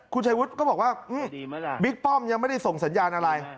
คุณชัยวุฒิก็บอกว่าบิ๊กป้อมยังไม่ได้ส่งสัญญาณอะไร